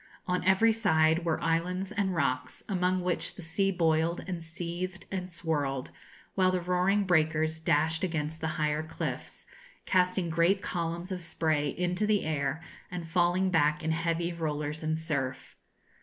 On every side were islands and rocks, among which the sea boiled, and seethed, and swirled, while the roaring breakers dashed against the higher cliffs, casting great columns of spray into the air, and falling back in heavy rollers and surf.